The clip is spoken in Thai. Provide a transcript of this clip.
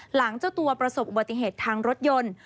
หลังเจ้าตัวประสบอุบัติเหตุทางรถยนต์